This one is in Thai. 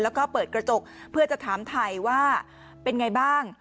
แล้วก็เปิดกระจกเพื่อจะถามไทยว่าเป็นไงบ้าง